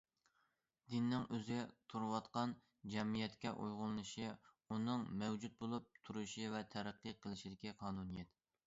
دىننىڭ ئۆزى تۇرۇۋاتقان جەمئىيەتكە ئۇيغۇنلىشىشى ئۇنىڭ مەۋجۇت بولۇپ تۇرۇشى ۋە تەرەققىي قىلىشىدىكى قانۇنىيەت.